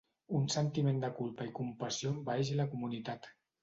Un sentiment de culpa i compassió envaeix la comunitat.